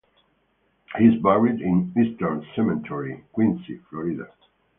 He is buried in Eastern Cemetery, Quincy, Florida.